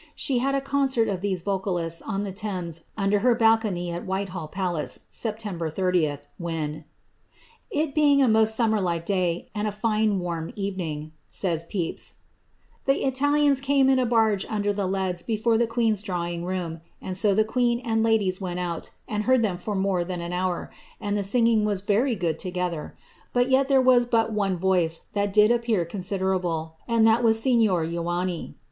She had a concert of these vocalists on the Thames under her balcony at Whitehall palace, September 30th, when, ^ it being a most summer like day, and a fine warm evening,^' says Pepys, ^ the Italians came in a barge nnder the leads before the queen^s drawing room, and so the queen and ladief went out, and heaiti them for more than an hour, and the singing wai vtr}' good together ; but yet there was but one voice that did appew considerable, and that was sign or Joan ni.